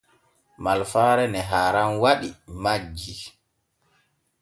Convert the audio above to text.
Malfaare ne haaran waɗi majjii.